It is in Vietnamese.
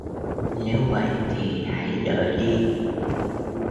Nếu vậy thì hãy đợi đi